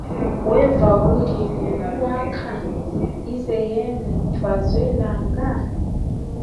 Weva uli mumu wakha, ize yene twazwelanga?